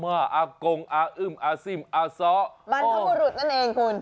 มันเข้ามาหลุดนั่นเองคุณ